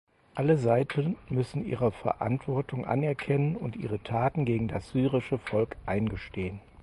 Alle Seiten müssen ihre Verantwortung anerkennen und ihre Taten gegen das syrische Volk eingestehen.